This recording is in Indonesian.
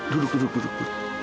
duduk duduk duduk